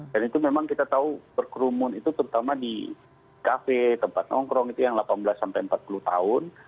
dan itu memang kita tahu berkerumun itu terutama di kafe tempat nongkrong itu yang delapan belas sampai empat puluh tahun